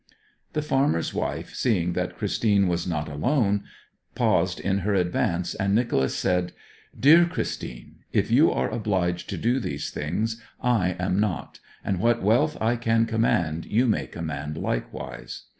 The farmer's wife, seeing that Christine was not alone, paused in her advance, and Nicholas said, 'Dear Christine, if you are obliged to do these things, I am not, and what wealth I can command you may command likewise.